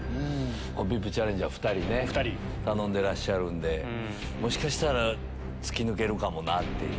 ＶＩＰチャレンジャー２人頼んでらっしゃるんでもしかしたら突き抜けるかもなっていう。